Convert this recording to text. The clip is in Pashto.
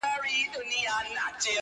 بلبلو باندي اوري آفتونه لکه غشي-